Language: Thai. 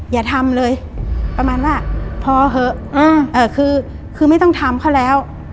อย่าทำเลยประมาณว่าพอเถอะคือไม่ต้องทำเขาแล้ว